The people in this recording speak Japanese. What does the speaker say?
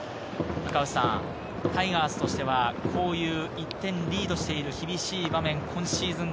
タイガースとしてはこういう１点リードしている厳しい場面、今シーズン